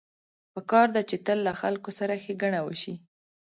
پکار ده چې تل له خلکو سره ښېګڼه وشي